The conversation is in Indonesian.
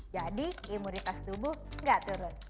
jadi imunitas tubuh tidak turun